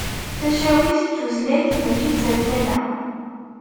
Tacawit d tutlayt mačči d tantala.